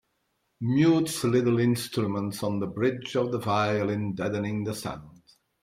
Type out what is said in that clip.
Mutes little instruments on the bridge of the violin, deadening the sound.